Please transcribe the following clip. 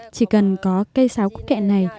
chỉ cần có cây sáo cúc kệ này